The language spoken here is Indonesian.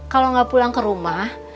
kalau nggak pulang ke rumah